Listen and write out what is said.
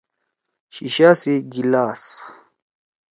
شیِشا سی گلاس۔